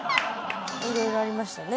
いろいろありましたね。